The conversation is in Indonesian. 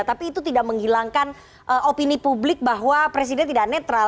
tapi itu tidak menghilangkan opini publik bahwa presiden tidak netral